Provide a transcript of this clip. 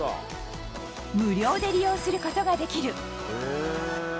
無料で利用することができる。